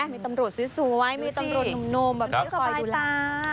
มีตำรวจสวยมีตำรวจหนุ่มแบบนี้คอยดูแล